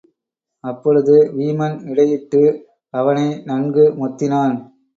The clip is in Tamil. அப்பொழுது வீமன் இடையிட்டு அவனை நன்கு மொத்தினான்.